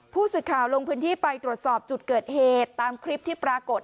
ผู้สื่อข่าวลงพื้นที่ไปตรวจสอบจุดเกิดเหตุตามคลิปที่ปรากฏ